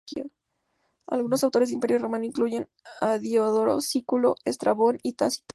Algunos autores del Imperio Romano incluyen a Diodoro Sículo, Estrabón y Tácito.